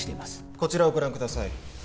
こちらをご覧ください